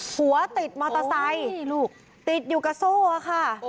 หัวติดมอเตอร์ไซค์ติดอยู่กับโซ่ค่ะ